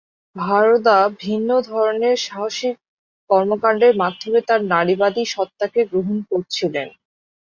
ভারদা ভিন্ন ধরনের সাহসী কর্মকাণ্ডের মাধ্যমে তার নারীবাদী সত্তাকে গ্রহণ করেছিলেন।